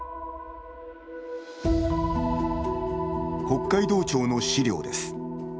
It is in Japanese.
北海道庁の資料です。